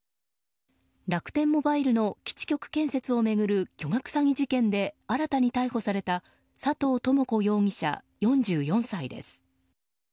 楽天モバイルの基地局建設を巡る巨額詐欺事件で新たに逮捕された佐藤智子容疑者、４４歳です。